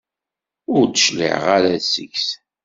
Ur d-tecliɛeḍ ara seg-s.